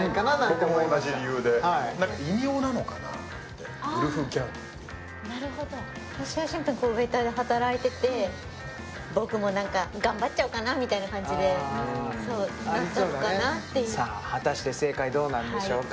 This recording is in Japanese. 僕も同じ理由で何か異名なのかなってウルフギャングっていうのはなるほど私はシンプルにウェイターで働いてて僕も何か頑張っちゃおうかなみたいな感じでそうなったのかなっていうさあ果たして正解どうなんでしょうか？